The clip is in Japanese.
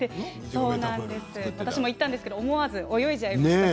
私も行ったんですけれど思わず泳いでしまいました。